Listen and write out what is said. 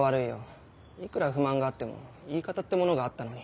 いくら不満があっても言い方ってものがあったのに。